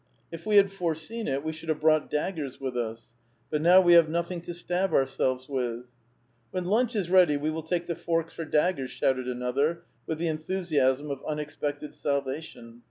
" If we had foreseen it, we should have brought daggers with us. But now we have nothing to stab ourselves with." " When lunch is ready, we will take the forks for dag gers I " shouted another, with the enthusiasm of unexpected salvation.